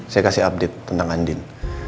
saya kasih update tentang andin